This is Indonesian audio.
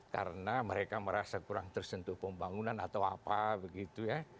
karena mereka merasa kurang tersentuh pembangunan atau apa begitu ya